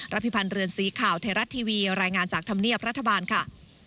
พิพันธ์เรือนสีข่าวไทยรัฐทีวีรายงานจากธรรมเนียบรัฐบาลค่ะ